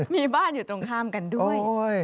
มีบ้านอยู่ตรงข้ามกันด้วย